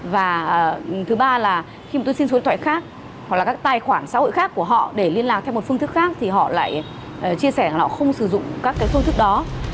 và thứ ba là khi mà tôi xin số điện thoại khác hoặc là các tài khoản xã hội khác của họ để liên lạc theo một phương thức khác thì họ lại chia sẻ là họ không sử dụng các phương thức đó